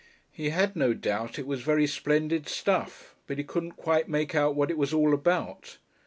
He had no doubt it was very splendid stuff, but he couldn't quite make out what it was all about.